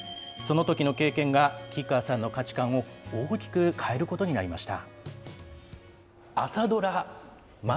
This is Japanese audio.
そのときの経験が吉川さんの価値観を大きく変えることになりました。